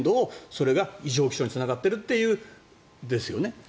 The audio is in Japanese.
それが異常気象につながっているっていうんですよね。